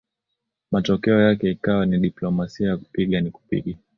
Matokeo yake ikawa ni diplomasia ya piga nikupige